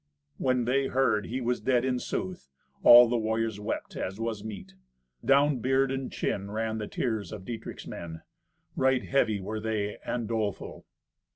When they heard he was dead in sooth, all the warriors wept, as was meet. Down beard and chin ran the tears of Dietrich's men. Right heavy were they and doleful.